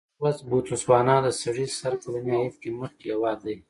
نن ورځ بوتسوانا د سړي سر کلني عاید کې مخکې هېواد دی.